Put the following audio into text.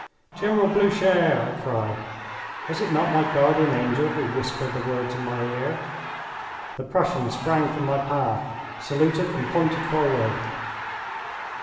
"General Blucher!" I cried. Was it not my guardian angel who whispered the words in my ear? The Prussian sprang from my path, saluted, and pointed forward.